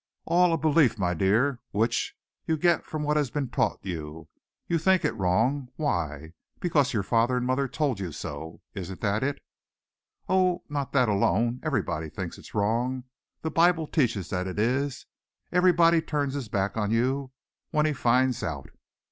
"All a belief, my dear, which you get from what has been taught you. You think it wrong. Why? Because your father and mother told you so. Isn't that it?" "Oh, not that alone. Everybody thinks it's wrong. The Bible teaches that it is. Everybody turns his back on you when he finds out."